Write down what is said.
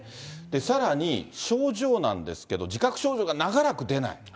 さらに、症状なんですけど、自覚症状が長らく出ない。